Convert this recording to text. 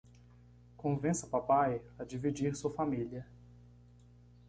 Convença papai a dividir sua família